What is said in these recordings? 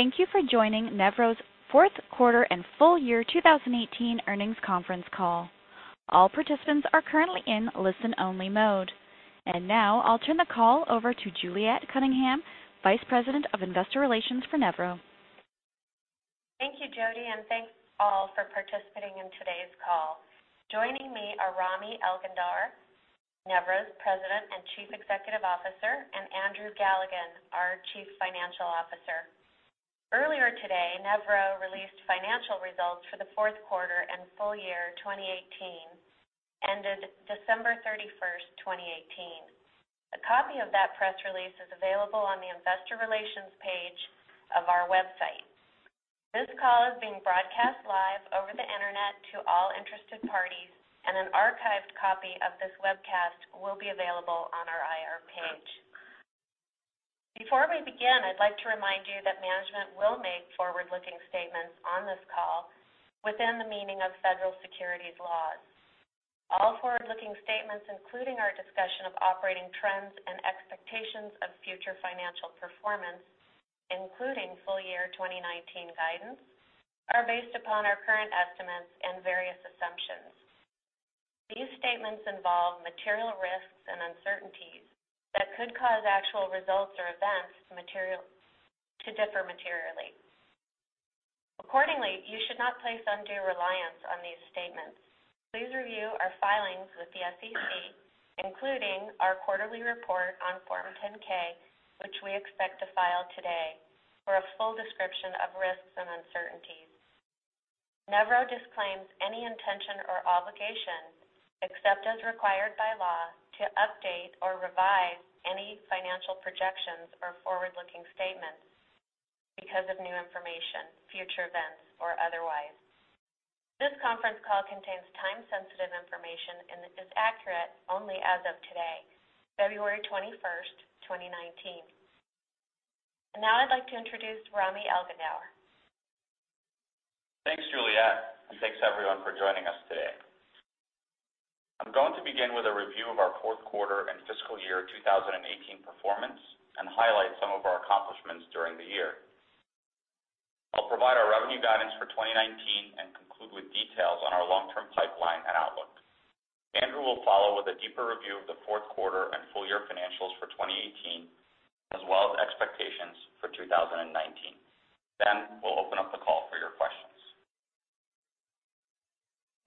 Thank you for joining Nevro's Q4 and Full Year 2018 Earnings Conference Call. All participants are currently in listen-only mode. Now I'll turn the call over to Juliet Cunningham, Vice President of Investor Relations for Nevro. Thank you, Jody, and thanks, all, for participating in today's call. Joining me are Rami Elghandour, Nevro's President and Chief Executive Officer, and Andrew Galligan, our Chief Financial Officer. Earlier today, Nevro released financial results for the Q4 and full year 2018, ended December 31st, 2018. A copy of that press release is available on the investor relations page of our website. This call is being broadcast live over the internet to all interested parties, and an archived copy of this webcast will be available on our IR page. Before we begin, I'd like to remind you that management will make forward-looking statements on this call within the meaning of federal securities laws. All forward-looking statements, including our discussion of operating trends and expectations of future financial performance, including full year 2019 guidance, are based upon our current estimates and various assumptions. These statements involve material risks and uncertainties that could cause actual results or events to differ materially. Accordingly, you should not place undue reliance on these statements. Please review our filings with the SEC, including our quarterly report on Form 10-K, which we expect to file today, for a full description of risks and uncertainties. Nevro disclaims any intention or obligation, except as required by law, to update or revise any financial projections or forward-looking statements because of new information, future events, or otherwise. This conference call contains time-sensitive information, and it is accurate only as of today, February 21st, 2019. Now I'd like to introduce Rami Elghandour. Thanks, Juliet, and thanks, everyone, for joining us today. I'm going to begin with a review of our Q4 and fiscal year 2018 performance and highlight some of our accomplishments during the year. I'll provide our revenue guidance for 2019 and conclude with details on our long-term pipeline and outlook. Andrew will follow with a deeper review of Q4 and full year financials for 2018, as well as expectations for 2019. We'll open up the call for your questions.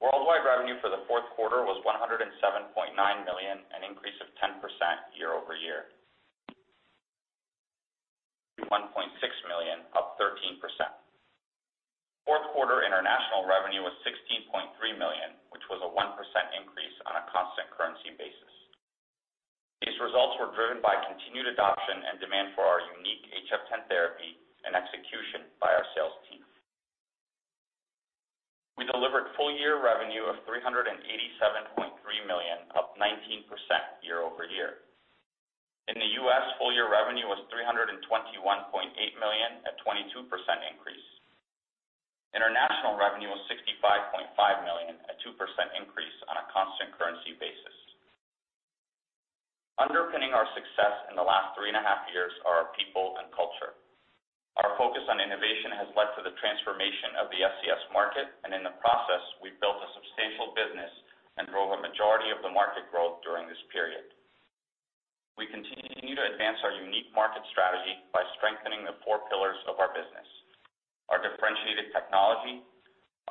Worldwide revenue for the Q4 was $107.9 million, an increase of 10% year-over-year. $1.6 million, up 13%. Q4 international revenue was $16.3 million, which was a 1% increase on a constant currency basis. These results were driven by continued adoption and demand for our unique HF10 therapy and execution by our sales team. We delivered full year revenue of $387.3 million, up 19% year-over-year. In the U.S., full year revenue was $321.8 million, a 22% increase. International revenue was $65.5 million, a 2% increase on a constant currency basis. Underpinning our success in the last three and a half years are our people and culture. Our focus on innovation has led to the transformation of the SCS market, and in the process, we've built a substantial business and drove a majority of the market growth during this period. We continue to advance our unique market strategy by strengthening the four pillars of our business. Our differentiated technology,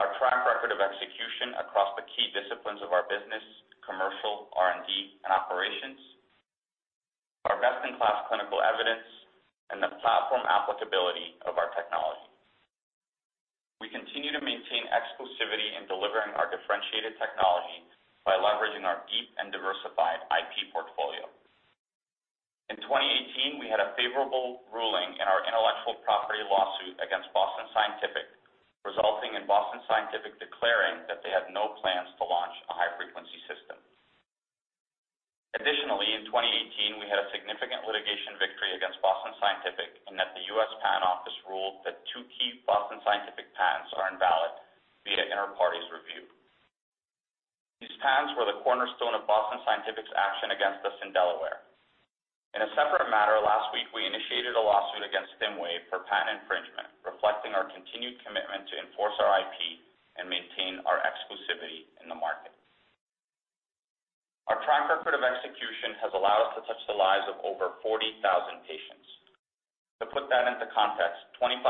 our track record of execution across the key disciplines of our business, commercial, R&D, and operations, our best-in-class clinical evidence, and the platform applicability of our technology. We continue to maintain exclusivity in delivering our differentiated technology by leveraging our deep and diversified IP portfolio. In 2018, we had a favorable ruling in our intellectual property lawsuit against Boston Scientific, resulting in Boston Scientific declaring that they had no plans to launch a high-frequency system. Additionally, in 2018, we had a significant litigation victory against Boston Scientific in that the U.S. Patent Office ruled that two key Boston Scientific patents are invalid via inter partes review. These patents were the cornerstone of Boston Scientific's action against us in Delaware. In a separate matter, last week we initiated a lawsuit against Stimwave for patent infringement, reflecting our continued commitment to enforce our IP and maintain our exclusivity in the market. Our track record of execution has allowed us to touch the lives of over 40,000 patients. To put that into context, 2,500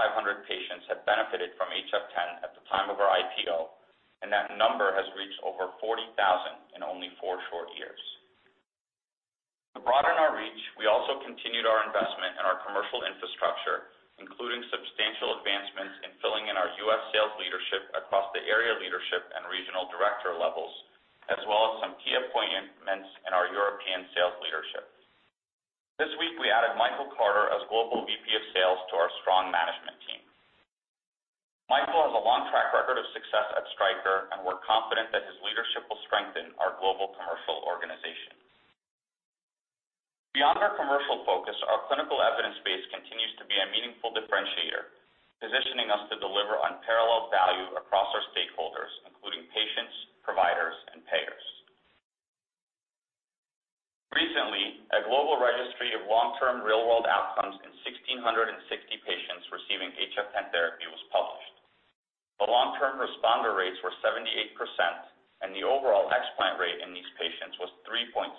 patients had benefited from HF10 at the time of our IPO, and that number has reached over 40,000 in only four short years. To broaden our reach, we also continued our investment in our commercial infrastructure, including substantial advancements in filling in our U.S. sales leadership across the area leadership and regional director levels, as well as some key appointments in our European sales leadership. This week, we added Michael Carter as Global VP of Sales to our strong management team. Michael has a long track record of success at Stryker, and we're confident that his leadership will strengthen our global commercial organization. Beyond our commercial focus, our clinical evidence base continues to be a meaningful differentiator, positioning us to deliver unparalleled value across our stakeholders, including patients. A global registry of long-term real-world outcomes in 1,660 patients receiving HF10 therapy was published. The long-term responder rates were 78%, and the overall explant rate in these patients was 3.7%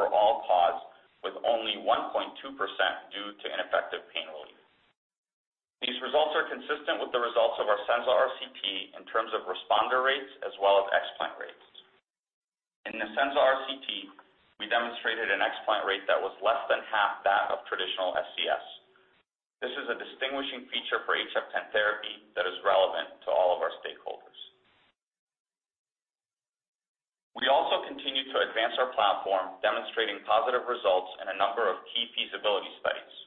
for all cause, with only 1.2% due to ineffective pain relief. These results are consistent with the results of our SENZA -RCT in terms of responder rates as well as explant rates. In the SENZA-RCT, we demonstrated an explant rate that was less than half that of traditional SCS. This is a distinguishing feature for HF10 therapy that is relevant to all of our stakeholders. We also continue to advance our platform, demonstrating positive results in a number of key feasibility studies.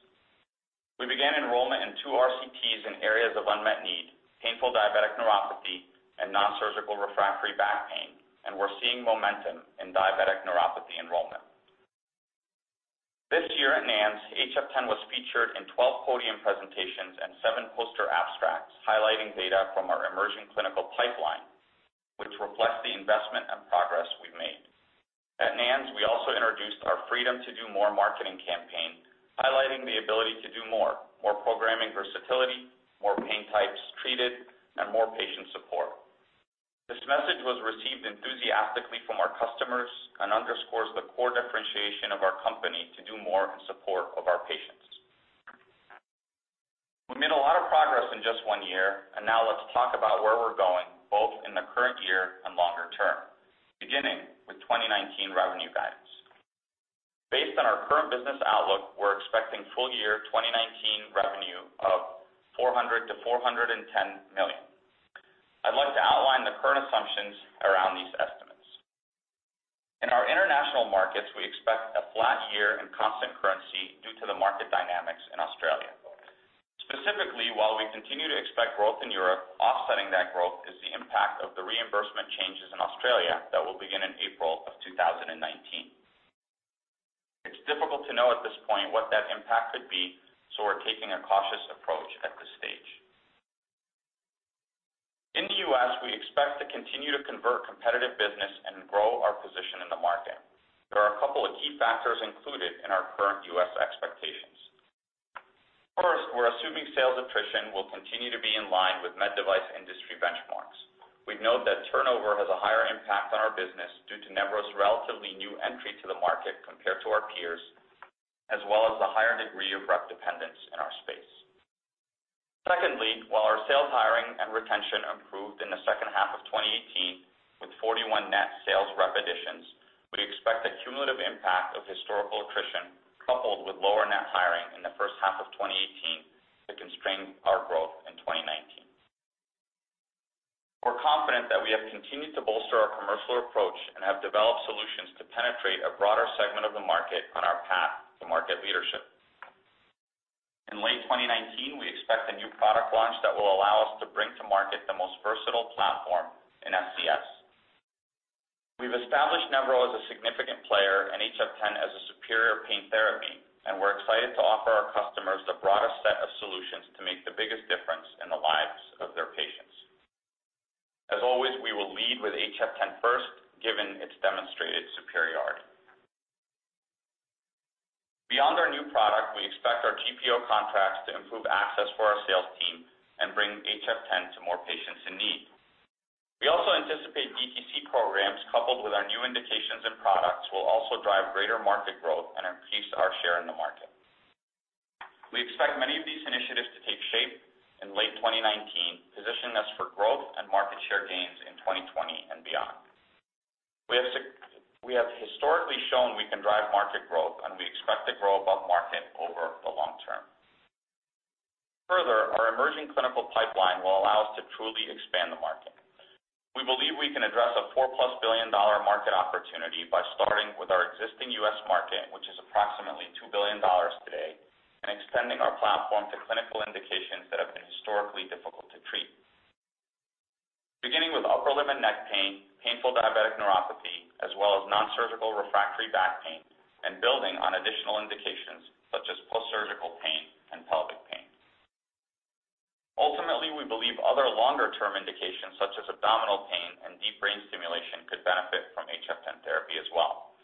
We began enrollment in two RCTs in areas of unmet need, painful diabetic neuropathy and non-surgical refractory back pain, and we're seeing momentum in diabetic neuropathy enrollment. This year at NANS, HF10 was featured in 12 podium presentations and seven poster abstracts, highlighting data from our emerging clinical pipeline, which reflects the investment and progress we've made. At NANS, we also introduced our Freedom to Do More marketing campaign, highlighting the ability to do more. More programming versatility, more pain types treated, and more patient support. This message was received enthusiastically from our customers and underscores the core differentiation of our company to do more in support of our patients. We made a lot of progress in just one year. Now let's talk about where we're going, both in the current year and longer term, beginning with 2019 revenue guidance. Based on our current business outlook, we're expecting full year 2019 revenue of $400 million-$410 million. I'd like to outline the current assumptions around these estimates. In our international markets, we expect a flat year in constant currency due to the market dynamics in Australia. Specifically, while we continue to expect growth in Europe, offsetting that growth is the impact of the reimbursement changes in Australia that will begin in April of 2019. It's difficult to know at this point what that impact could be. We're taking a cautious approach at this stage. In the U.S., we expect to continue to convert competitive business and grow our position in the market. There are a couple of key factors included in our current U.S. expectations. First, we're assuming sales attrition will continue to be in line with med device industry benchmarks. We note that turnover has a higher impact on our business due to Nevro's relatively new entry to the market compared to our peers, as well as the higher degree of rep dependence in our space. Secondly, while our sales hiring and retention improved in the H2 of 2018, with 41 net sales rep additions, we expect the cumulative impact of historical attrition, coupled with lower net hiring in the H1 of 2018, to constrain our growth in 2019. We're confident that we have continued to bolster our commercial approach and have developed solutions to penetrate a broader segment of the market on our path to market leadership. In late 2019, we expect a new product launch that will allow us to bring to market the most versatile platform in SCS. We've established Nevro as a significant player and HF10 as a superior pain therapy. We're excited to offer our customers the broadest set of solutions to make the biggest difference in the lives of their patients. As always, we will lead with HF10 first, given its demonstrated superiority. Beyond our new product, we expect our GPO contracts to improve access for our sales team and bring HF10 to more patients in need. We also anticipate DTC programs coupled with our new indications and products will also drive greater market growth and increase our share in the market. We expect many of these initiatives to take shape in late 2019, positioning us for growth and market share gains in 2020 and beyond. We have historically shown we can drive market growth. We expect to grow above market over the long term. Further, our emerging clinical pipeline will allow us to truly expand the market. We believe we can address a $4+ billion market opportunity by starting with our existing U.S. market, which is approximately $2 billion today, and extending our platform to clinical indications that have been historically difficult to treat. Beginning with upper limb and neck pain, painful diabetic neuropathy, as well as non-surgical refractory back pain, and building on additional indications such as post-surgical pain and pelvic pain. Ultimately, we believe other longer-term indications such as abdominal pain and deep brain stimulation could benefit from HF10 therapy as well.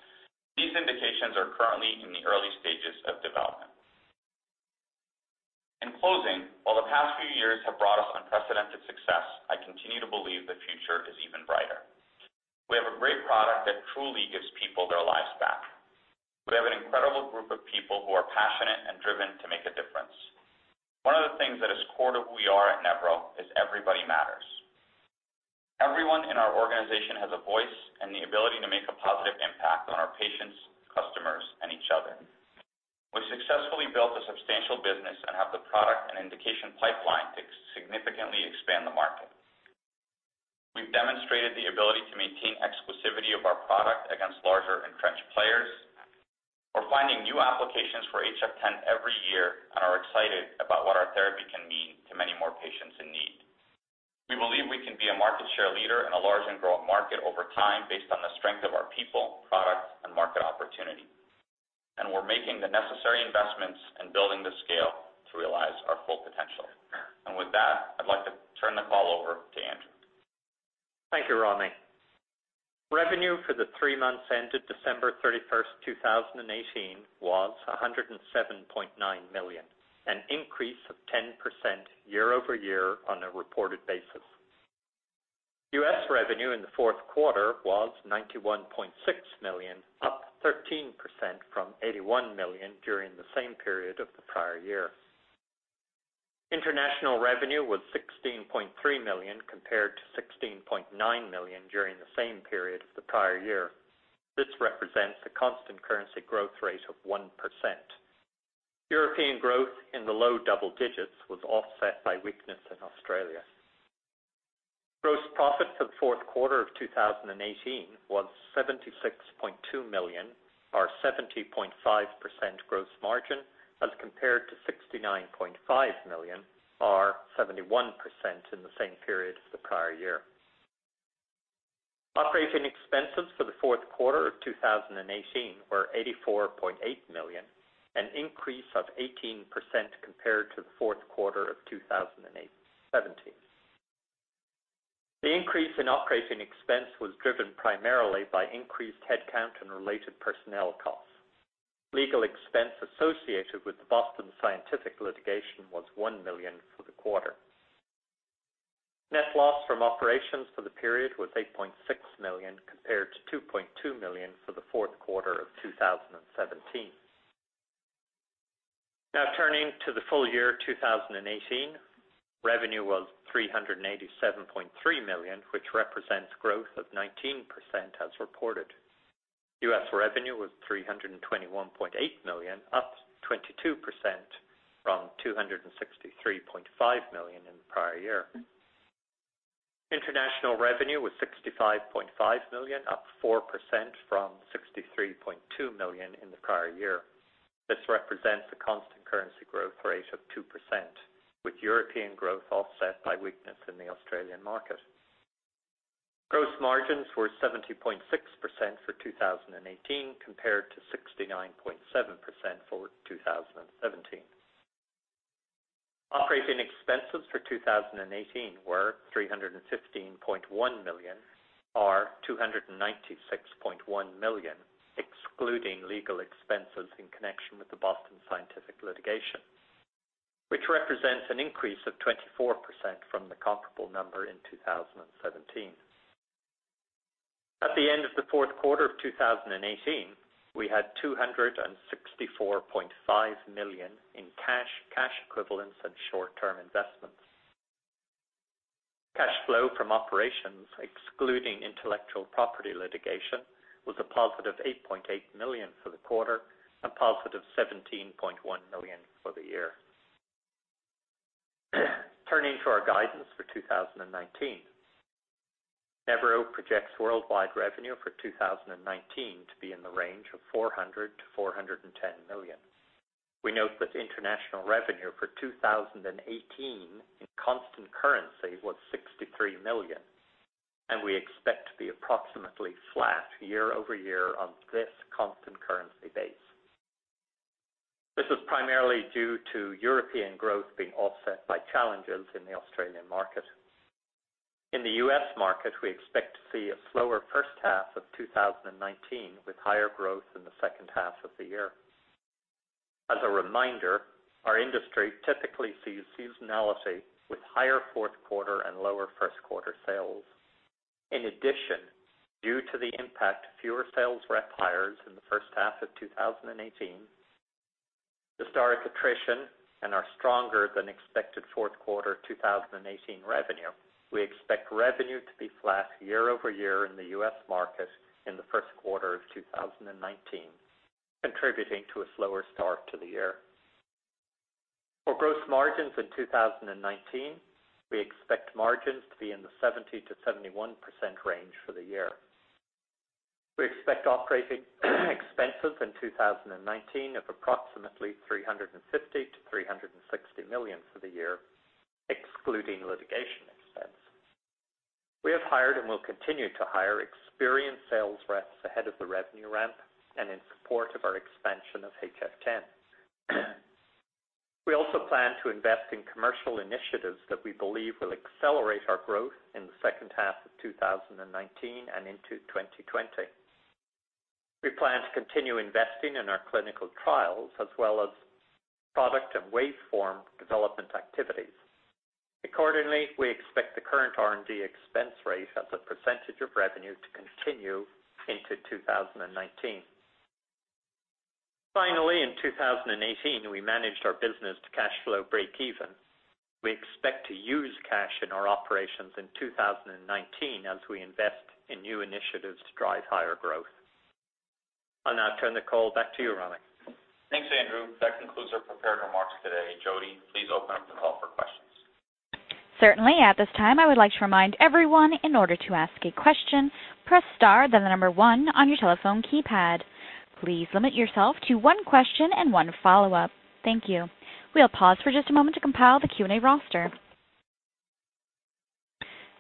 These indications are currently in the early stages of development. In closing, while the past few years have brought us unprecedented success, I continue to believe the future is even brighter. We have a great product that truly gives people their lives back. We have an incredible group of people who are passionate and driven to make a difference. One of the things that is core to who we are at Nevro is everybody matters. Everyone in our organization has a voice and the ability to make a positive impact on our patients, customers, and each other. We've successfully built a substantial business and have the product and indication pipeline to significantly expand the market. We've demonstrated the ability to maintain exclusivity of our product against larger, entrenched players. We're finding new applications for HF10 every year and are excited about what our therapy can mean to many more patients in need. We believe we can be a market share leader in a large and growing market over time based on the strength of our people, product, and market opportunity. We're making the necessary investments and building the scale to realize our full potential. With that, I'd like to turn the call over to Andrew. Thank you, Rami. Revenue for the three months ended December 31st, 2018, was $107.9 million, an increase of 10% year-over-year on a reported basis. U.S. revenue in Q4 was $91.6 million, up 13% from $81 million during the same period of the prior year. International revenue was $16.3 million compared to $16.9 million during the same period of the prior year. This represents a constant currency growth rate of 1%. European growth in the low double digits was offset by weakness in Australia. Gross profit for Q4 of 2018 was $76.2 million, or 70.5% gross margin, as compared to $69.5 million, or 71%, in the same period as the prior year. Operating expenses for Q4 of 2018 were $84.8 million, an increase of 18% compared to Q4 of 2017. The increase in operating expense was driven primarily by increased headcount and related personnel costs. Legal expense associated with the Boston Scientific litigation was $1 million for the quarter. Net loss from operations for the period was $8.6 million, compared to $2.2 million for the Q4 of 2017. Turning to the full year 2018. Revenue was $387.3 million, which represents growth of 19% as reported. U.S. revenue was $321.8 million, up 22% from $263.5 million in the prior year. International revenue was $65.5 million, up 4% from $63.2 million in the prior year. This represents a constant currency growth rate of 2%, with European growth offset by weakness in the Australian market. Gross margins were 70.6% for 2018, compared to 69.7% for 2017. Operating expenses for 2018 were $315.1 million, or $296.1 million, excluding legal expenses in connection with the Boston Scientific litigation, which represents an increase of 24% from the comparable number in 2017. At the end of Q4 of 2018, we had $264.5 million in cash equivalents, and short-term investments. Cash flow from operations, excluding intellectual property litigation, was a +$8.8 million for the quarter and +$17.1 million for the year. Turning to our guidance for 2019. Nevro projects worldwide revenue for 2019 to be in the range of $400 million-$410 million. We note that international revenue for 2018 in constant currency was $63 million, and we expect to be approximately flat year-over-year on this constant currency base. This is primarily due to European growth being offset by challenges in the Australian market. In the U.S. market, we expect to see a slower H1 of 2019, with higher growth in the H2 of the year. As a reminder, our industry typically sees seasonality, with higher Q4 and lower Q1 sales. In addition, due to the impact of fewer sales rep hires in the H1 of 2018, historic attrition, and our stronger than expected Q4 2018 revenue, we expect revenue to be flat year-over-year in the U.S. market in the Q1 of 2019, contributing to a slower start to the year. For gross margins in 2019, we expect margins to be in the 70%-71% range for the year. We expect operating expenses in 2019 of approximately $350 million-$360 million for the year, excluding litigation expenses. We have hired and will continue to hire experienced sales reps ahead of the revenue ramp and in support of our expansion of HF10. We also plan to invest in commercial initiatives that we believe will accelerate our growth in the H2 of 2019 and into 2020. We plan to continue investing in our clinical trials as well as product and waveform development activities. Accordingly, we expect the current R&D expense rate as a percentage of revenue to continue into 2019. Finally, in 2018, we managed our business to cash flow breakeven. We expect to use cash in our operations in 2019 as we invest in new initiatives to drive higher growth. I'll now turn the call back to you, Rami. Thanks, Andrew. That concludes our prepared remarks today. Jody, please open up the call for questions. Certainly. At this time, I would like to remind everyone, in order to ask a question, press star, then the number one on your telephone keypad. Please limit yourself to one question and one follow-up. Thank you. We'll pause for just a moment to compile the Q&A roster.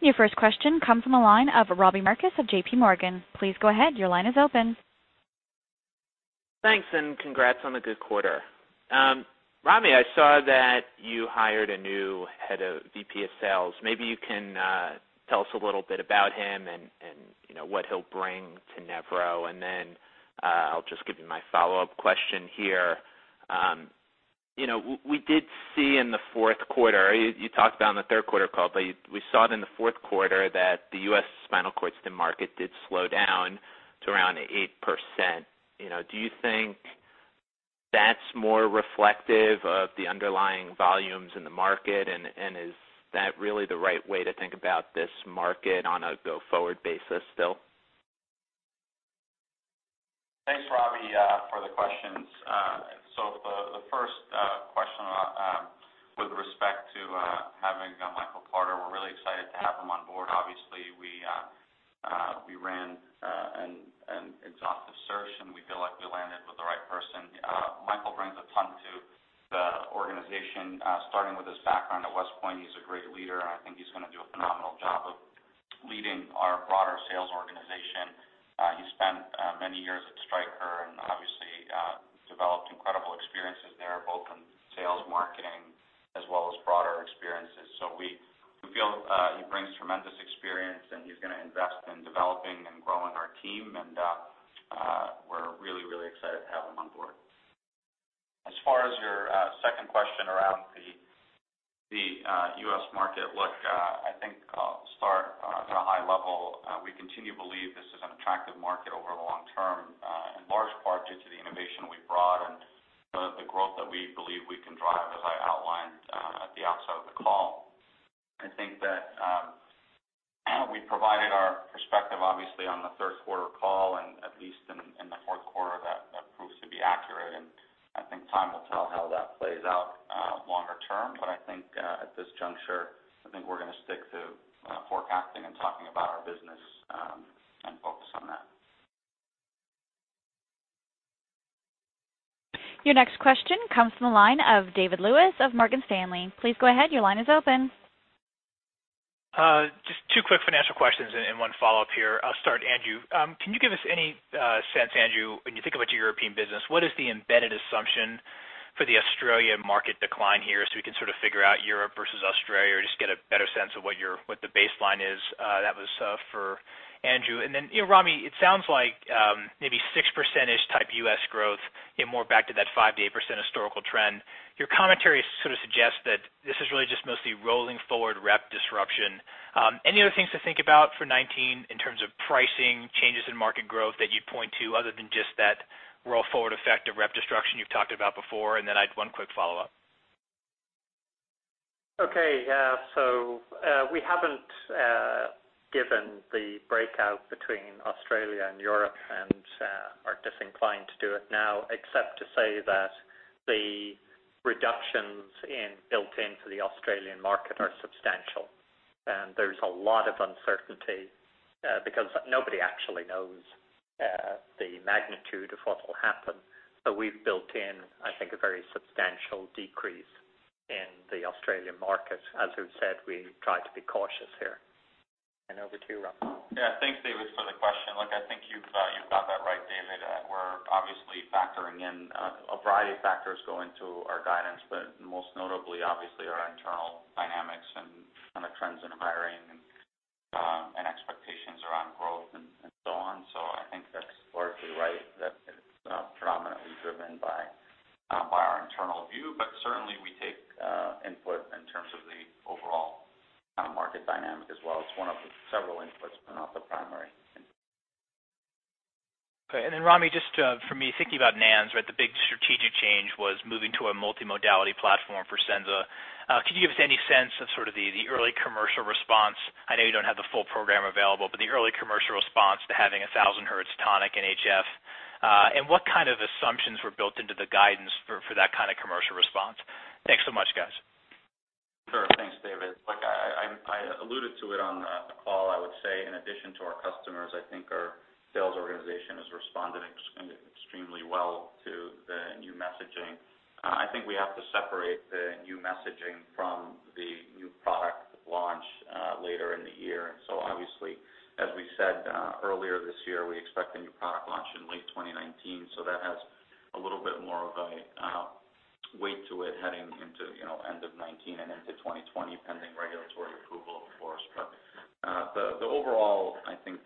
Your first question comes from the line of Robbie Marcus of J.P. Morgan. Please go ahead, your line is open. Thanks. Congrats on the good quarter. Rami, I saw that you hired a new VP of Sales. Maybe you can tell us a little bit about him and what he'll bring to Nevro, and then I'll just give you my follow-up question here. We did see in Q4, you talked on the Q3 call, but we saw it in Q4 that the U.S. spinal cord stim market did slow down to around 8%. Do you think that's more reflective of the underlying volumes in the market, and is that really the right way to think about this market on a go-forward basis still? Thanks, Rami, for the questions. The first question with respect to having Michael Carter, we're really excited to have him on board. Obviously, we ran an exhaustive search, and we feel like we landed with the right person. Michael brings a ton to the organization, starting with his background at West Point. He's a great leader, and I think he's going to do a phenomenal job of leading our broader sales organization. He spent many years at Stryker and obviously developed incredible experiences there, both in sales, marketing, as well as broader experiences. We feel he brings tremendous experience, and he's going to invest in developing and growing our team, and we're really excited to have him on board. As far as your second question around the U.S. market, look, I think I'll start at a high level. We continue to believe this is an attractive market over the long term, in large part due to the innovation we've brought and the growth that we believe we can drive, as I outlined at the outset of the call. I think that we provided our perspective, obviously, on the Q3 call, and at least in Q4, that proves to be accurate. I think time will tell how that plays out longer term. I think at this juncture, I think we're going to stick to forecasting and talking about our business and focus on that. Your next question comes from the line of David Lewis of Morgan Stanley. Please go ahead. Your line is open. Just two quick financial questions and one follow-up here. I'll start, Andrew. Can you give us any sense, Andrew, when you think about your European business, what is the embedded assumption for the Australian market decline here so we can sort of figure out Europe versus Australia or just get a better sense of what the baseline is? That was for Andrew. Rami, it sounds like maybe six percentage type U.S. growth, getting more back to that 5%-8% historical trend. Your commentary sort of suggests that this is really just mostly rolling forward rep disruption. Any other things to think about for 2019 in terms of pricing, changes in market growth that you'd point to other than just that roll-forward effect of rep destruction you've talked about before? I have one quick follow-up. Okay. Yeah. We haven't given the breakout between Australia and Europe and are disinclined to do it now, except to say that the reductions built into the Australian market are substantial. There's a lot of uncertainty because nobody actually knows the magnitude of what will happen. We've built in, I think, a very substantial decrease in the Australian market. As we've said, we try to be cautious here. Over to you, Rami. Yeah. Thanks, David, for the question. Look, I think you've got that right, David. We're obviously factoring in a variety of factors go into our guidance, but most notably, obviously, our internal dynamics and the trends in hiring and expectations around growth and so on. I think that's largely right that it's predominantly driven by our internal view. Certainly, we take input in terms of the overall market dynamic as well. It's one of several inputs, but not the primary input. Okay. Rami, just for me, thinking about NANS, the big strategic change was moving to a multimodality platform for Senza. Could you give us any sense of sort of the early commercial response? I know you don't have the full program available, but the early commercial response to having 1,000 hertz tonic in HF. What kind of assumptions were built into the guidance for that kind of commercial response? Thanks so much, guys. Sure. Thanks, David. Look, I alluded to it on the call. I would say in addition to our customers, I think our sales organization has responded extremely well to the new messaging. I think we have to separate the new messaging from the new product launch later in the year. Obviously, as we said earlier this year, we expect a new product launch in late 2019, so that has a little bit more of a weight to it heading into end of 2019 and into 2020, pending regulatory approval, of course. The overall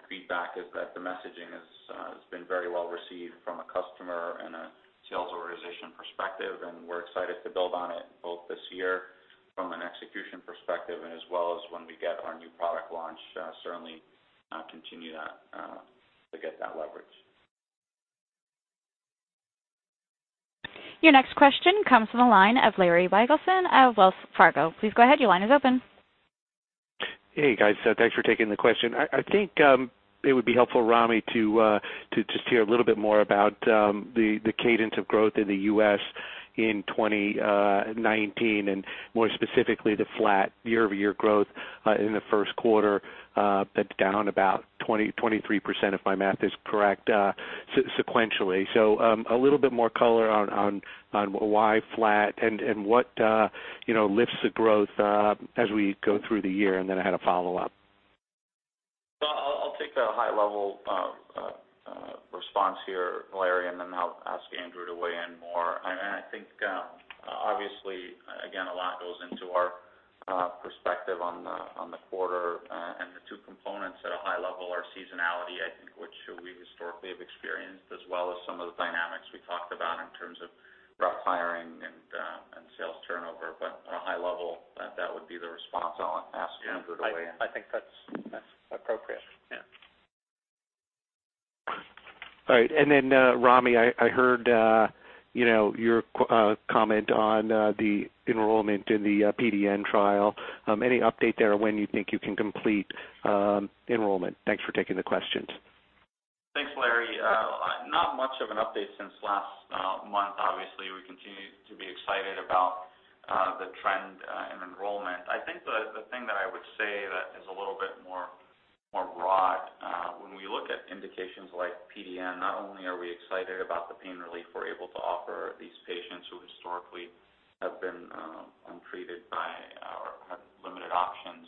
feedback is that the messaging has been very well received from a customer and a sales organization perspective, and we're excited to build on it both this year from an execution perspective and as well as when we get our new product launch, certainly continue to get that leverage. Your next question comes from the line of Larry Biegelsen of Wells Fargo. Please go ahead. Your line is open. Hey, guys. Thanks for taking the question. I think it would be helpful, Rami, to just hear a little bit more about the cadence of growth in the U.S. in 2019, and more specifically, the flat year-over-year growth in Q1, but down about 23%, if my math is correct, sequentially. A little bit more color on why flat and what lifts the growth as we go through the year. I had a follow-up. I'll take the high level response here, Larry, I'll ask Andrew to weigh in more. I think, obviously, again, a lot goes into our perspective on the quarter. The two components at a high level are seasonality, I think, which we historically have experienced, as well as some of the dynamics we talked about in terms of rep hiring and sales turnover. At a high level, that would be the response. I'll ask Andrew to weigh in. I think that's appropriate. Yeah. All right. Rami, I heard your comment on the enrollment in the PDN trial. Any update there on when you think you can complete enrollment? Thanks for taking the questions. Thanks, Larry. Not much of an update since last month. Obviously, we continue to be excited about the trend in enrollment. I think the thing that I would say that is a little bit more broad, when we look at indications like PDN, not only are we excited about the pain relief we're able to offer these patients who historically have been untreated or have limited options,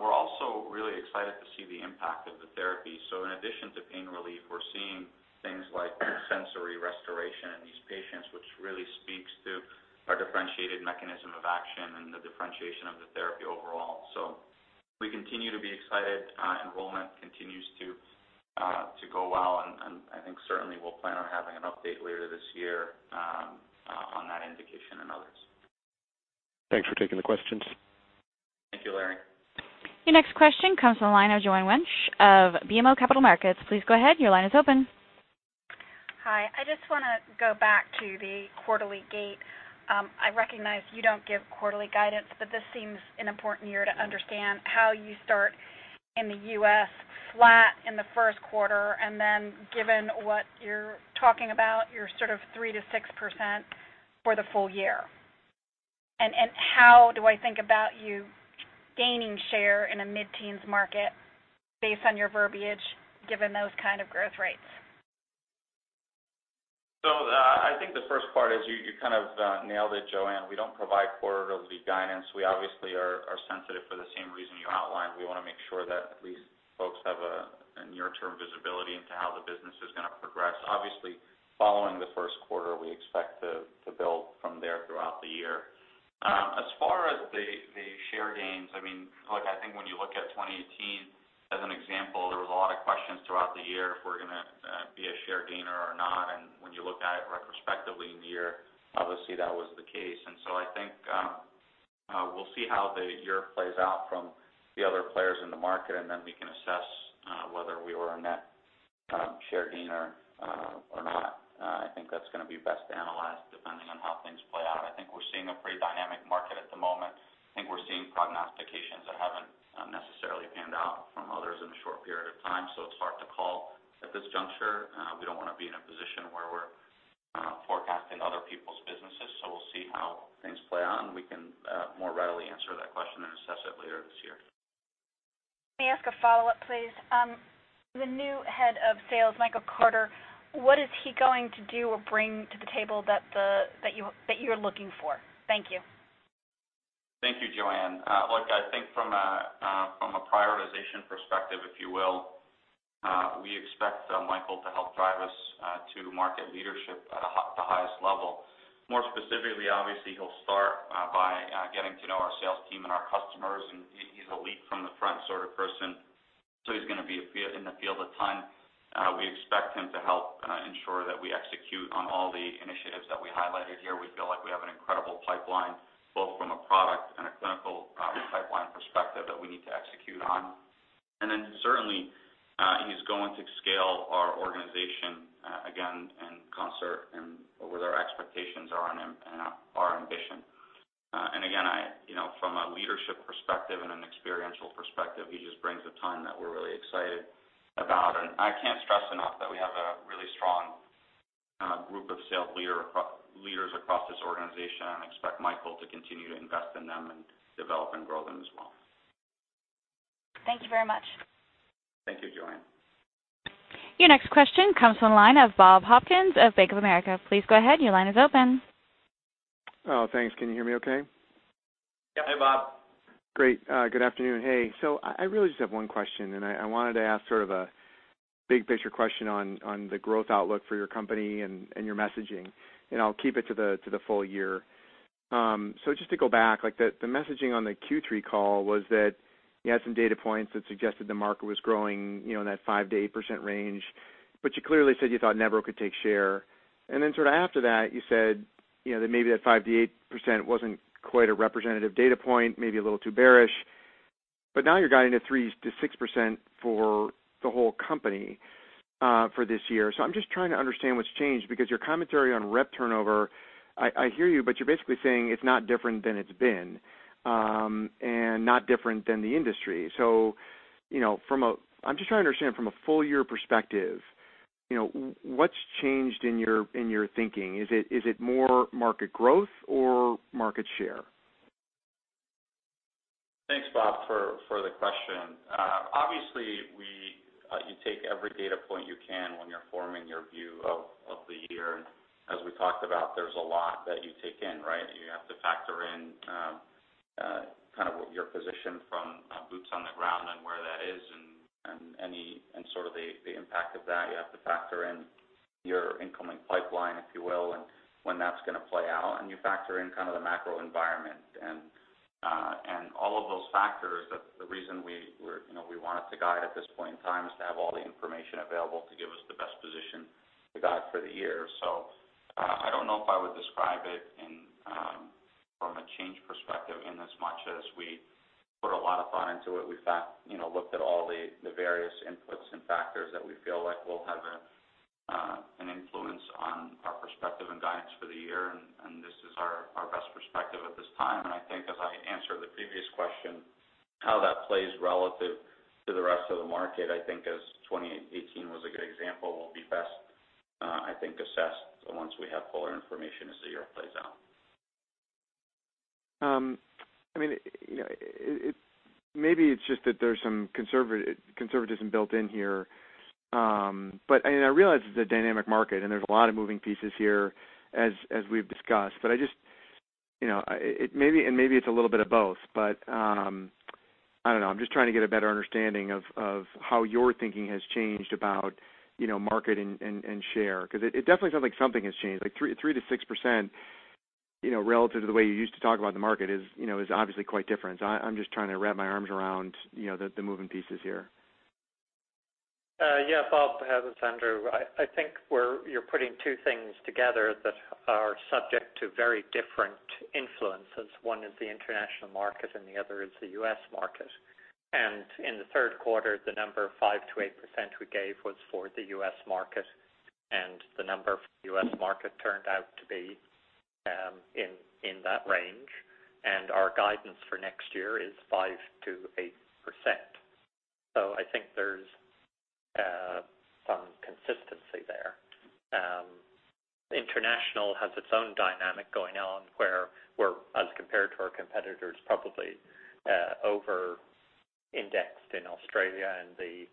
we're also really excited to see the impact of the therapy. In addition to pain relief, we're seeing things like sensory restoration in these patients, which really speaks to our differentiated mechanism of action and the differentiation of the therapy overall. We continue to be excited. Enrollment continues to go well, and I think certainly we'll plan on having an update later this year on that indication and others. Thanks for taking the questions. Thank you, Larry. Your next question comes from the line of Joanne Wuensch of BMO Capital Markets. Please go ahead, your line is open. Hi. I just want to go back to the quarterly guidance. I recognize you don't give quarterly guidance, but this seems an important year to understand how you start in the U.S. flat in Q1, then given what you're talking about, your sort of 3%-6% for the full year. How do I think about you gaining share in a mid-teens market based on your verbiage, given those kind of growth rates? I think the first part is you kind of nailed it, Joanne. We don't provide quarterly guidance. We obviously are sensitive for the same reason you outlined. We want to make sure that at least folks have a near-term visibility into how the business is going to progress. Obviously, following Q1, we expect to build from there throughout the year. As far as the share gains, I think when you look at 2018 as an example, there was a lot of questions throughout the year if we're going to be a share gainer or not. When you look at it retrospectively in the year, obviously that was the case. I think we'll see how the year plays out from the other players in the market, then we can assess whether we were a net share gainer or not. I think that's going to be best analyzed depending on how things play out. I think we're seeing a pretty dynamic market at the moment. I think we're seeing prognostications that haven't necessarily panned out from others in a short period of time, so it's hard to call at this juncture. We don't want to be in a position where we're forecasting other people's businesses, so we'll see how things play out, and then we can more readily answer that question and assess it later this year. May I ask a follow-up, please? The new head of sales, Michael Carter, what is he going to do or bring to the table that you're looking for? Thank you. Thank you, Joanne. Look, I think from a prioritization perspective, if you will, we expect Michael to help drive us to market leadership at the highest level. More specifically, obviously, he'll start by getting to know our sales team and our customers. He's a lead-from-the-front sort of person, so he's going to be in the field a ton. We expect him to help ensure that we execute on all the initiatives that we highlighted here. We feel like we have an incredible pipeline, both from a product and a clinical pipeline perspective that we need to execute on. Then certainly, he's going to scale our organization, again, in concert and what our expectations are on him and our ambition. Again, from a leadership perspective and an experiential perspective, he just brings a ton that we're really excited about. I can't stress enough that we have a really strong group of sales leaders across this organization. I expect Michael to continue to invest in them and develop and grow them as well. Thank you very much. Thank you, Joanne. Your next question comes from the line of Bob Hopkins of Bank of America. Please go ahead, your line is open. Oh, thanks. Can you hear me okay? Yeah. Hey, Bob. Great. Good afternoon. Hey. I really just have one question, and I wanted to ask sort of a big picture question on the growth outlook for your company and your messaging, and I'll keep it to the full year. Just to go back, the messaging on the Q3 call was that you had some data points that suggested the market was growing in that 5%-8% range, but you clearly said you thought Nevro could take share. Then sort of after that, you said that maybe that 5%-8% wasn't quite a representative data point, maybe a little too bearish. Now you're guiding at 3%-6% for the whole company for this year. I'm just trying to understand what's changed, because your commentary on rep turnover, I hear you, but you're basically saying it's not different than it's been, and not different than the industry. I'm just trying to understand from a full year perspective, what's changed in your thinking? Is it more market growth or market share? Thanks, Bob, for the question. You take every data point you can when you're forming your view of the year. As we talked about, there's a lot that you take in, right? You have to factor in your position from boots on the ground and where that is and the impact of that. You have to factor in your incoming pipeline, if you will, and when that's going to play out, and you factor in the macro environment. All of those factors, the reason we wanted to guide at this point in time is to have all the information available to give us the best position to guide for the year. I don't know if I would describe it from a change perspective inasmuch as we put a lot of thought into it. We looked at all the various inputs and factors that we feel like will have an influence on our perspective and guidance for the year, and this is our best perspective at this time. I think as I answered the previous question, how that plays relative to the rest of the market, I think as 2018 was a good example, will be best assessed once we have fuller information as the year plays out. Maybe it's just that there's some conservatism built in here. I realize it's a dynamic market, and there's a lot of moving pieces here as we've discussed. Maybe it's a little bit of both, but I don't know. I'm just trying to get a better understanding of how your thinking has changed about marketing and share, because it definitely sounds like something has changed. 3%-6%, relative to the way you used to talk about the market is obviously quite different. I'm just trying to wrap my arms around the moving pieces here. Bob, this is Andrew. I think you're putting two things together that are subject to very different influences. One is the international market, and the other is the U.S. market. In Q3, the number 5%-8% we gave was for the U.S. market, and the number for the U.S. market turned out to be in that range. Our guidance for next year is 5%-8%. I think there's some consistency there. International has its own dynamic going on where, as compared to our competitors, probably over-indexed in Australia, and the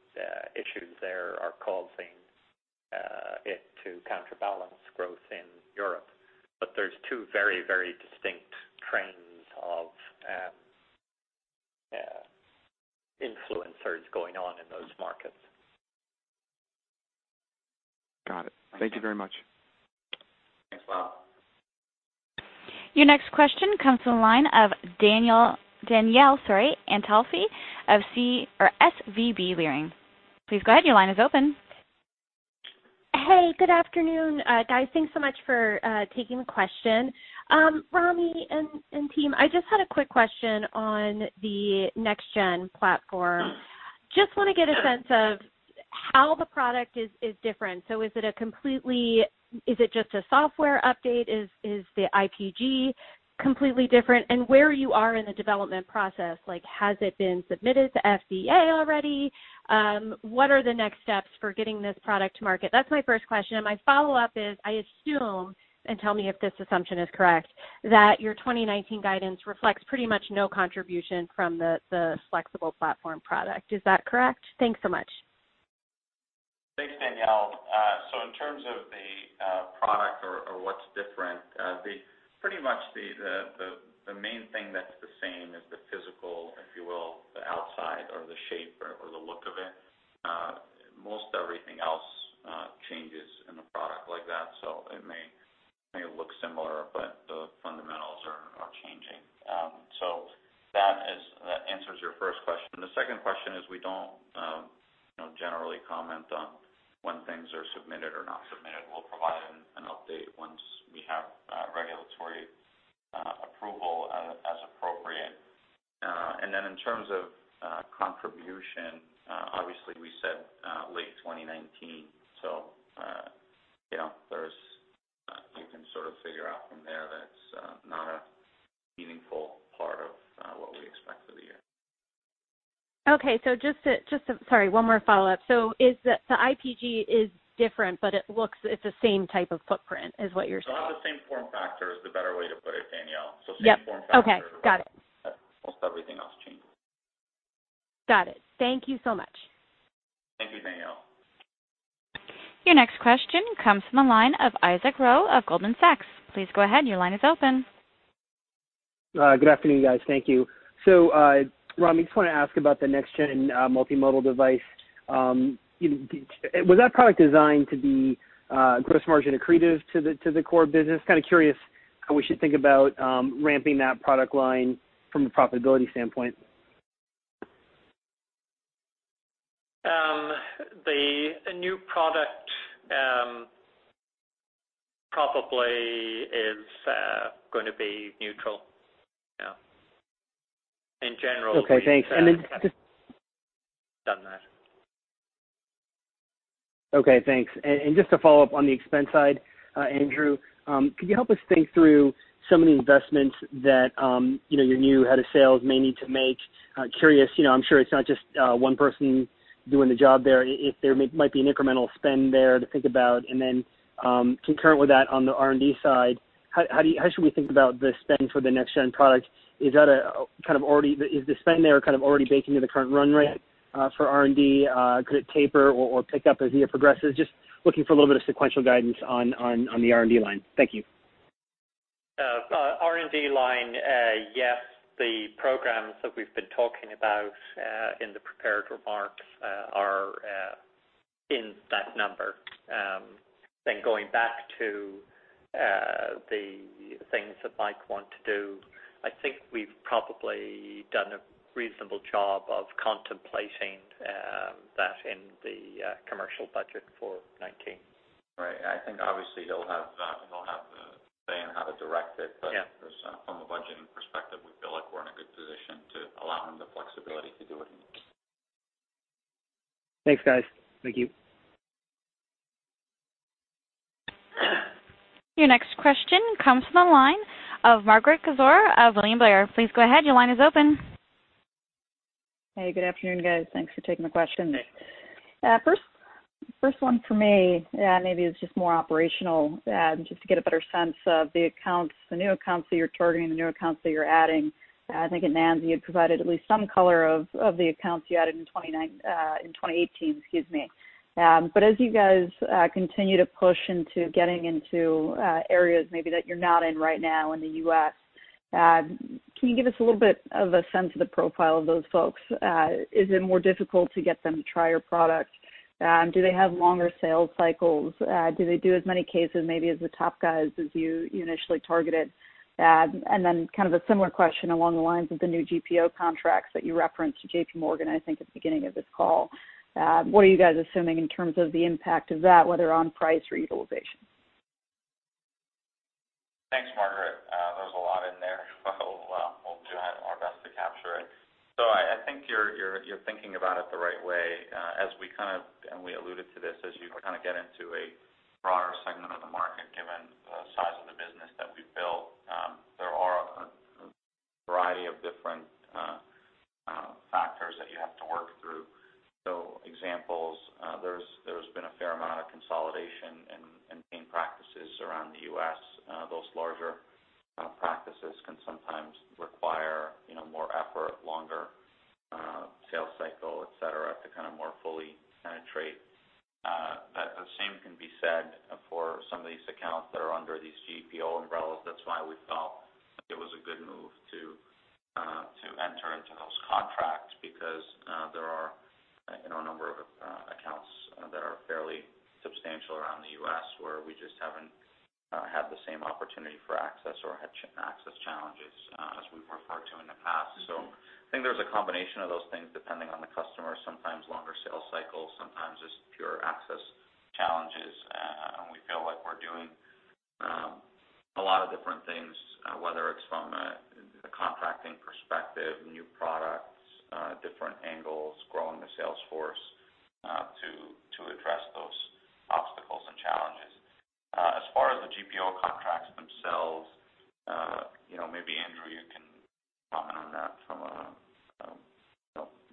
issues there are causing it to counterbalance growth in Europe. There's two very distinct trends of influencers going on in those markets. Got it. Thank you very much. Thanks, Bob. Your next question comes from the line of Danielle Antalffy of SVB Leerink. Please go ahead. Your line is open. Hey, good afternoon, guys. Thanks so much for taking the question. Rami and team, I just had a quick question on the next-gen platform. Just want to get a sense of how the product is different. Is it just a software update? Is the IPG completely different? Where you are in the development process. Has it been submitted to the FDA already? What are the next steps for getting this product to market? That's my first question. My follow-up is, I assume, and tell me if this assumption is correct, that your 2019 guidance reflects pretty much no contribution from the flexible platform product. Is that correct? Thanks so much. Thanks, Danielle. In terms of the product or what's different, pretty much the main thing that's the same is the physical, if you will, the outside or the shape or the look of it. Most everything else changes in a product like that. It may look similar, but the fundamentals are changing. That answers your first question. The second question is we don't generally comment on when things are submitted or not submitted. We'll provide an update once we have regulatory approval as appropriate. In terms of contribution, obviously we said late 2019, so you can sort of figure out from there that it's not a meaningful part of what we expect for the year. Okay. Sorry, one more follow-up. The IPG is different, but it's the same type of footprint is what you're saying? It has the same form factor is the better way to put it, Danielle. Yep. Okay. Got it. Same form factor, but most everything else changes. Got it. Thank you so much. Thank you, Danielle. Your next question comes from the line of Isaac Ro of Goldman Sachs. Please go ahead. Your line is open. Good afternoon, guys. Thank you. Rami, just want to ask about the next-gen multimodal device. Was that product designed to be gross margin accretive to the core business? Kind of curious how we should think about ramping that product line from the profitability standpoint. The new product probably is going to be neutral. Okay, thanks. we've done that. Okay, thanks. Just to follow up on the expense side, Andrew, could you help us think through some of the investments that your new head of sales may need to make? Curious, I'm sure it's not just one person doing the job there. If there might be an incremental spend there to think about. Concurrent with that on the R&D side, how should we think about the spend for the next-gen product? Is the spend there kind of already baked into the current run rate for R&D? Could it taper or pick up as the year progresses? Just looking for a little bit of sequential guidance on the R&D line. Thank you. R&D line. Yes, the programs that we've been talking about in the prepared remarks are in that number. Going back to the things that Michael wanted to do, I think we've probably done a reasonable job of contemplating that in the commercial budget for 2019. Right. I think obviously he'll have the say in how to direct it from a budgeting perspective, we feel like we're in a good position to allow him the flexibility to do what he needs. Thanks, guys. Thank you. Your next question comes from the line of Margaret Kaczor of William Blair. Please go ahead. Your line is open. Hey, good afternoon, guys. Thanks for taking the question. Hey. First one for me, maybe it's just more operational, just to get a better sense of the new accounts that you're targeting, the new accounts that you're adding. I think at NANS you had provided at least some color of the accounts you added in 2019, in 2018, excuse me. As you guys continue to push into getting into areas maybe that you're not in right now in the U.S., can you give us a little bit of a sense of the profile of those folks? Is it more difficult to get them to try your product? Do they have longer sales cycles? Do they do as many cases maybe as the top guys as you initially targeted? And then kind of a similar question along the lines of the new GPO contracts that you referenced to JPMorgan, I think at the beginning of this call. What are you guys assuming in terms of the impact of that, whether on price or utilization? Thanks, Margaret. There was a lot in there, we'll do our best to capture it. I think you're thinking about it the right way. As we kind of, and we alluded to this, as you get into a broader segment of the market, given the size of the business that we've built, there are a variety of different factors that you have to work through. Examples, there's been a fair amount of consolidation in pain practices around the U.S. Those larger practices can sometimes require more effort, longer sales cycle, et cetera, to more fully penetrate. The same can be said for some of these accounts that are under these GPO umbrellas. That's why we felt it was a good move to enter into those contracts, because there are a number of accounts that are fairly substantial around the U.S., where we just haven't had the same opportunity for access or had access challenges as we've referred to in the past. I think there's a combination of those things depending on the customer. Sometimes longer sales cycles, sometimes just pure access challenges. We feel like we're doing a lot of different things, whether it's from a contracting perspective, new products, different angles, growing the sales force, to address those obstacles and challenges. As far as the GPO contracts themselves, maybe Andrew, you can comment on that from a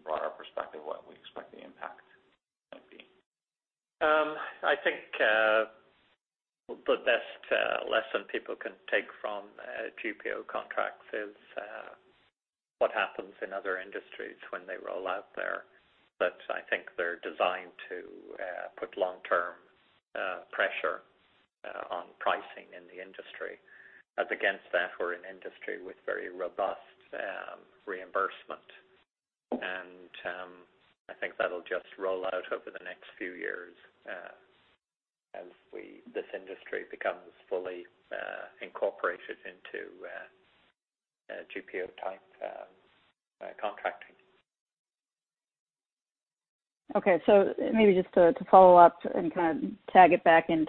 broader perspective, what we expect the impact might be. I think the best lesson people can take from GPO contracts is what happens in other industries when they roll out there. I think they're designed to put long-term pressure on pricing in the industry. Up against that, we're an industry with very robust reimbursement. I think that'll just roll out over the next few years as this industry becomes fully incorporated into GPO-type contracting. Okay. Maybe just to follow up and kind of tag it back into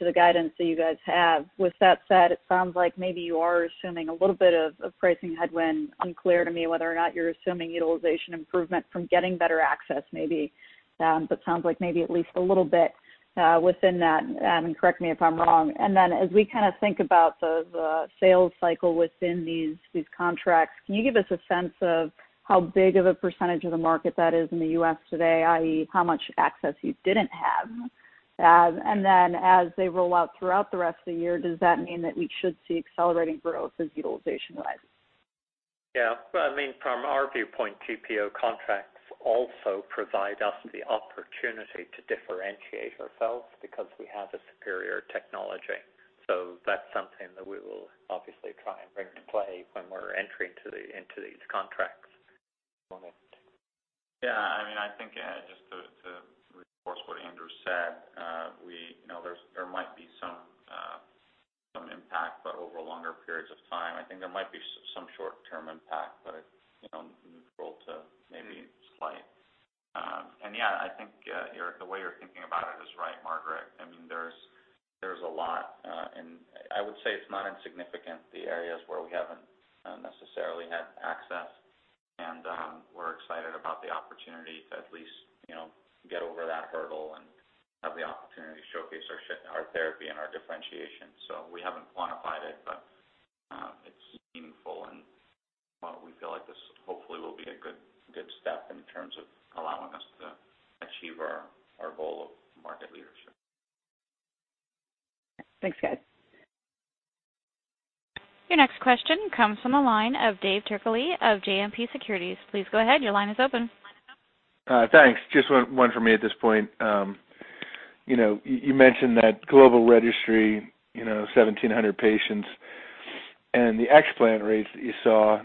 the guidance that you guys have. With that said, it sounds like maybe you are assuming a little bit of pricing headwind. Unclear to me whether or not you're assuming utilization improvement from getting better access, maybe. Sounds like maybe at least a little bit within that, and correct me if I'm wrong. As we think about the sales cycle within these contracts, can you give us a sense of how big of a percentage of the market that is in the U.S. today, i.e., how much access you didn't have? As they roll out throughout the rest of the year, does that mean that we should see accelerating growth as utilization rises? Yeah. From our viewpoint, GPO contracts also provide us the opportunity to differentiate ourselves because we have a superior technology. That's something that we will obviously try and bring into play when we're entering into these contracts. Yeah, I think, just to reinforce what Andrew said, there might be some impact, but over longer periods of time. I think there might be some short-term impact, but neutral to maybe slight. Yeah, I think the way you're thinking about it is right, Margaret. There's a lot, and I would say it's not insignificant, the areas where we haven't necessarily had access, and we're excited about the opportunity to at least get over that hurdle and have the opportunity to showcase our therapy and our differentiation. We haven't quantified it, but it's meaningful, and we feel like this hopefully will be a good step in terms of allowing us to achieve our goal of market leadership. Thanks, guys. Your next question comes from the line of David Turkaly of JMP Securities. Please go ahead. Your line is open. Thanks. Just one for me at this point. You mentioned that global registry, 1,700 patients, and the explant rates that you saw.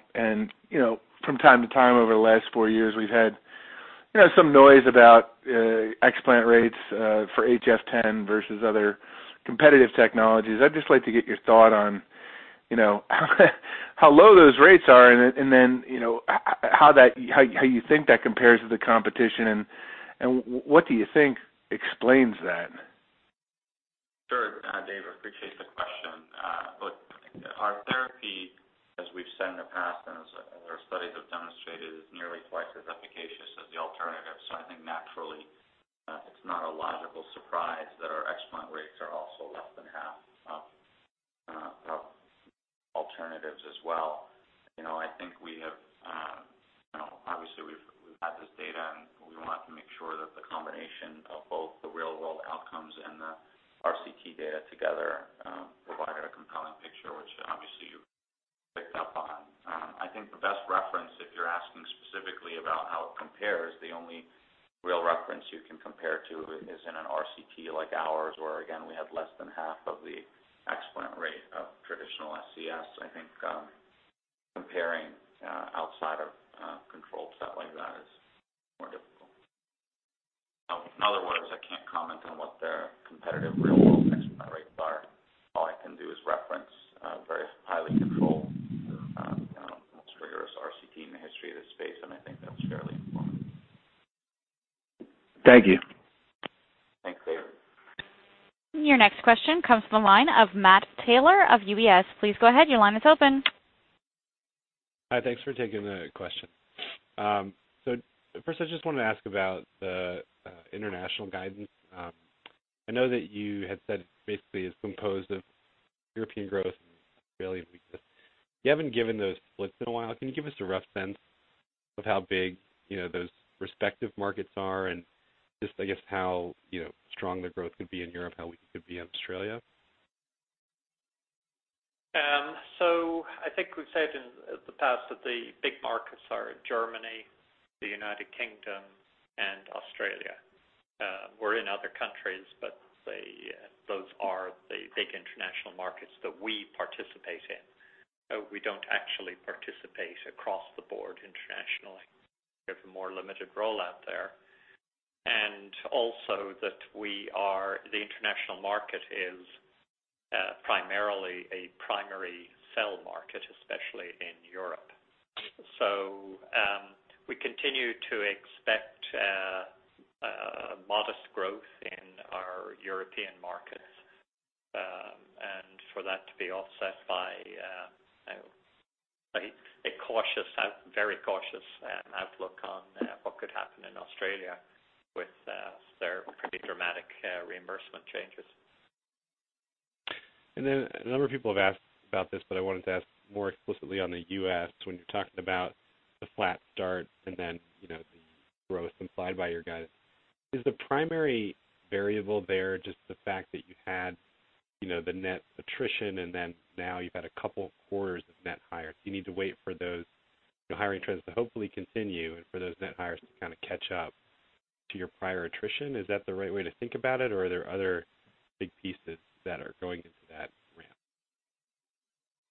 From time to time over the last four years, we've had some noise about explant rates for HF10 versus other competitive technologies. I'd just like to get your thought on how low those rates are, and then how you think that compares to the competition, and what do you think explains that? Sure. David, appreciate the question. Look, our therapy, as we've said in the past and as our studies have demonstrated, is nearly twice as efficacious as the alternative. I think naturally, it's not a logical surprise that our explant rates are also less than half of alternatives as well. Obviously, we've had this data, and we want to make sure that the combination of both the real-world outcomes and the RCT data together provide a compelling picture, which obviously you've picked up on. I think the best reference, if you're asking specifically about how it compares, the only real reference you can compare to is in an RCT like ours, where, again, we had less than half of the explant rate of traditional SCS. I think comparing outside of a controlled set like that is more difficult. In other words, I can't comment on what their competitive real-world explant rates are. All I can do is reference a very highly controlled, most rigorous RCT in the history of this space, and I think that's fairly important. Thank you. Thanks, David. Your next question comes from the line of Matt Taylor of UBS. Please go ahead. Your line is open. Hi. Thanks for taking the question. First, I just wanted to ask about the international guidance. I know that you had said basically it's composed of European growth and Australian growth. You haven't given those splits in a while. Can you give us a rough sense of how big those respective markets are and just, I guess, how strong the growth could be in Europe, how weak it could be in Australia? I think we've said in the past that the big markets are Germany, the United Kingdom, and Australia. We're in other countries, but those are the big international markets that we participate in. We don't actually participate across the board internationally. We have a more limited rollout there. Also, that the international market is primarily a primary sell market, especially in Europe. We continue to expect modest growth in our European markets, and for that to be offset by a cautious, very cautious outlook on what could happen in Australia with their pretty dramatic reimbursement changes. A number of people have asked about this, but I wanted to ask more explicitly on the U.S. When you're talking about the flat start and then the growth implied by your guidance, is the primary variable there just the fact that you had the net attrition and then now you've had a couple of quarters of net hires? You need to wait for those hiring trends to hopefully continue and for those net hires to kind of catch up to your prior attrition. Is that the right way to think about it? Are there other big pieces that are going into that ramp?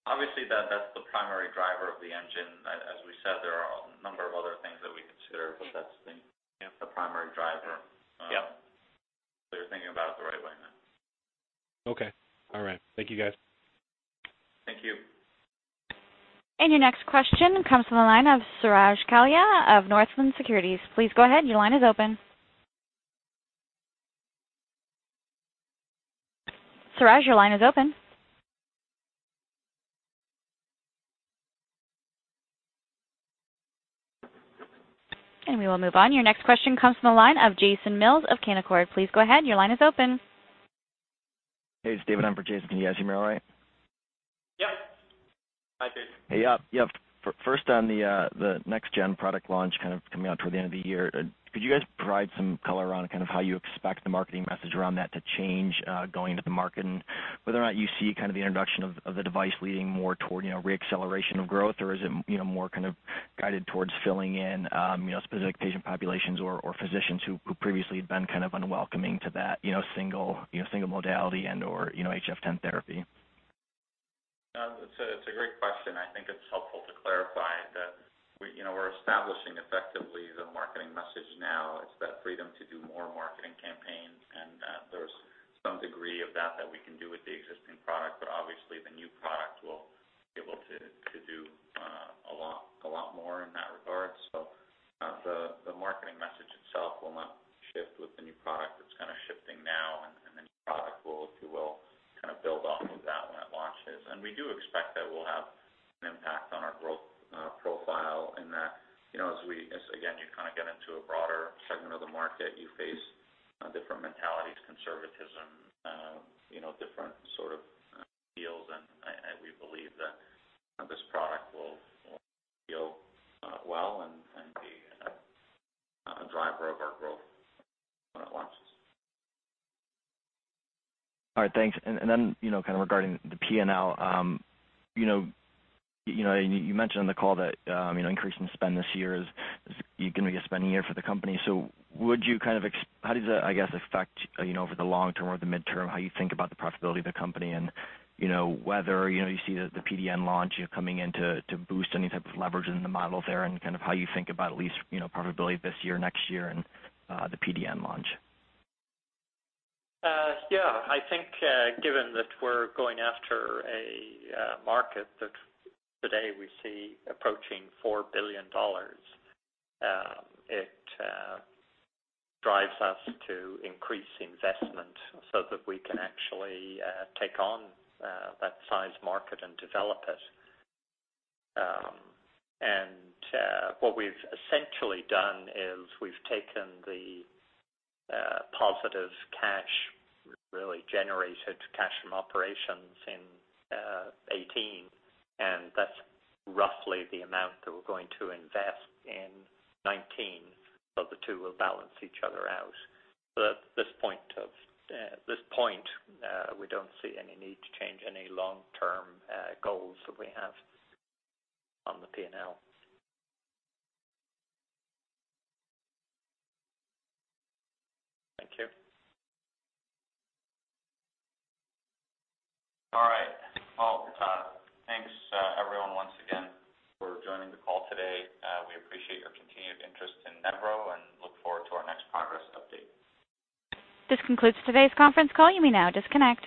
Obviously, that's the primary driver of the engine. As we said, there are a number of other things that we consider. Yeah. primary driver. Yeah. You're thinking about it the right way, Matt. Okay. All right. Thank you guys. Thank you. Your next question comes from the line of Suraj Kalia of Northland Securities. Please go ahead. Your line is open. Suraj, your line is open. We will move on. Your next question comes from the line of Jason Mills of Canaccord. Please go ahead. Your line is open. Hey, it's David on for Jason. Can you guys hear me all right? Yep. Hi, David. Hey, yep. First on the next gen product launch kind of coming out toward the end of the year, could you guys provide some color around how you expect the marketing message around that to change going into the market? Whether or not you see the introduction of the device leading more toward re-acceleration of growth, or is it more kind of guided towards filling in specific patient populations or physicians who previously had been kind of unwelcoming to that single modality and/or HF10 therapy? It's a great question. I think it's helpful to clarify that we're establishing effectively the marketing message now. It's that Freedom to Do More marketing campaigns, and there's some degree of that we can do with the existing product, but obviously the new product will be able to do a lot more in that regard. The marketing message itself will not shift with the new product. It's kind of shifting now, and the new product will, if you will, kind of build off of that when it launches. We do expect that it will have an impact on our growth profile in that as, again, you kind of get into a broader segment of the market, you face different mentalities, conservatism, different sort of deals, and we believe that this product will yield well and be a driver of our growth when it launches. All right. Thanks. Kind of regarding the P&L. You mentioned on the call that increase in spend this year is going to be a spending year for the company. How does that, I guess, affect over the long term or the midterm, how you think about the profitability of the company and whether you see the PDN launch coming in to boost any type of leverage in the model there and kind of how you think about lease profitability this year, next year and the PDN launch? Yeah, I think given that we're going after a market that today we see approaching $4 billion, it drives us to increase investment so that we can actually take on that size market and develop it. What we've essentially done is we've taken the positive cash, really generated cash from operations in 2018, and that's roughly the amount that we're going to invest in 2019. The two will balance each other out. At this point, we don't see any need to change any long-term goals that we have on the P&L. Thank you. All right. Well, thanks everyone once again for joining the call today. We appreciate your continued interest in Nevro and look forward to our next progress update. This concludes today's conference call. You may now disconnect.